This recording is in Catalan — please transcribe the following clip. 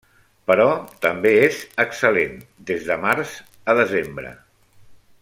Però també és excel·lent, des de març a desembre.